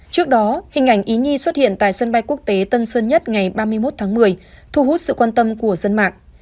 trước đó hình ảnh ý nhi xuất hiện tại sân bay quốc tế tân sơn nhất ngày ba mươi một tháng một mươi thu hút sự quan tâm của dân mạng